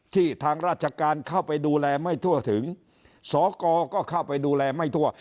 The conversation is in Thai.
ทางราชการเข้าไปดูแลไม่ทั่วถึงสกก็เข้าไปดูแลไม่ทั่ว